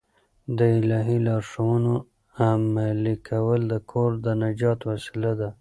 د الهي لارښوونو عملي کول د کور د نجات وسیله ده.